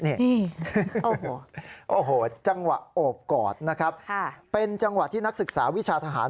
โอ้โหโอ้โหจังหวะโอบกอดนะครับเป็นจังหวะที่นักศึกษาวิชาทหาร